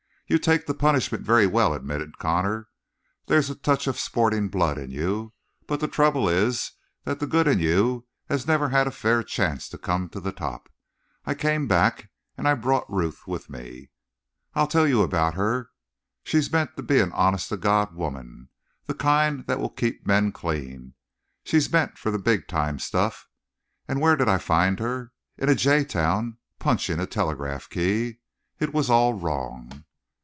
"You take the punishment very well," admitted Connor. "There's a touch of sporting blood in you, but the trouble is that the good in you has never had a fair chance to come to the top. I came back, and I brought Ruth with me. "I'll tell you about her. She's meant to be an honest to God woman the kind that keeps men clean she's meant for the big time stuff. And where did I find her? In a jay town punching a telegraph key. It was all wrong.